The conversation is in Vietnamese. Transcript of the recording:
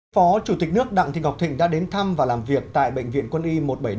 phó chủ tịch nước đặng thị ngọc thịnh đã đến thăm và làm việc tại bệnh viện quân y một trăm bảy mươi năm